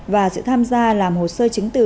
và sự tham gia làm hồ sơ chứng từ